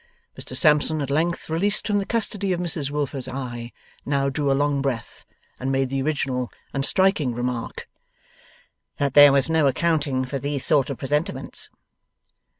Mr Sampson at length released from the custody of Mrs Wilfer's eye, now drew a long breath, and made the original and striking remark that there was no accounting for these sort of presentiments.